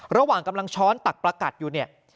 ระหว่างกำลังช้อนตักประกัดอยู่เนี่ย